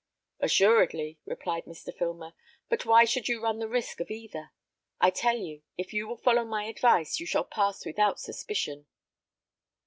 "Assuredly," replied Mr. Filmer. "But why should you run the risk of either? I tell you, if you will follow my advice, you shall pass without suspicion."